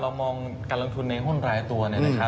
เรามองการลำทุนในห้นรายตัว